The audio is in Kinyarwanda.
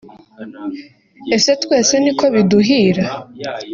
Ese twese niko biduhira